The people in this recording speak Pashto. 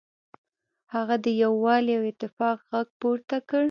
هغه د یووالي او اتفاق غږ پورته کړ.